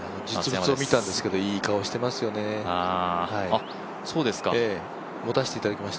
実物を見たんですけど、いい顔してますよねほ。